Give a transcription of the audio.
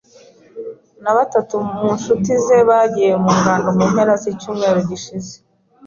na batatu mu nshuti ze bagiye mu ngando mu mpera z'icyumweru gishize.